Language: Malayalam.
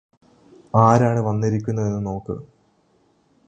ആരാണ് വന്നിരിക്കുന്നതെന്ന് നോക്ക്